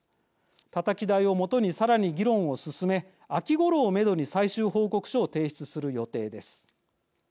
たたき台をもとにさらに議論を進め、秋ごろをめどに最終報告書を提出する予定です。